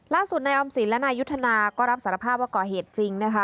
ล่าสุดนายออมสินและนายยุทธนาก็รับสารภาพว่าก่อเหตุจริงนะคะ